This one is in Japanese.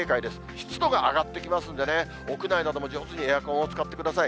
湿度が上がってきますので、屋内なども、上手にエアコンを使ってください。